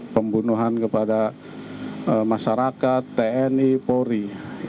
pembunuhan kepada masyarakat tni polri